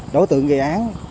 đối tượng gây án